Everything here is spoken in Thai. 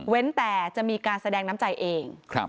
แต่จะมีการแสดงน้ำใจเอง